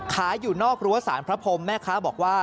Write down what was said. ขายอยู่นอกรัวศาลพระพรหมแม่คะบอกว่า